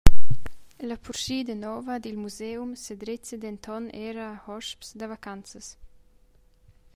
La purschida nova dil museum sedrezza denton era a hosps da vacanzas.